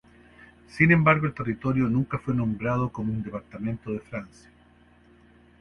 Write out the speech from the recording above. Sin embargo, el territorio nunca fue nombrado como un departamento de Francia.